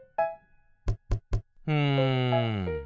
うん。